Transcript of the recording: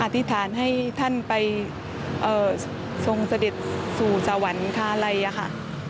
ธิษฐานให้ท่านไปทรงเสด็จสู่สวรรคาลัยค่ะ